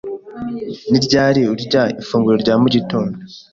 Ni ryari urya ifunguro rya mu gitondo?